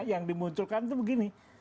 yang dimunculkan itu begini